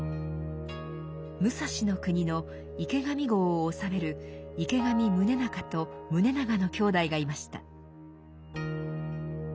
武蔵国の池上郷を治める池上宗仲と宗長の兄弟がいました。